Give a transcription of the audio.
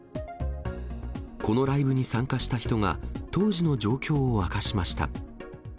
このライブに参加した人が、当時の状況を明かしました。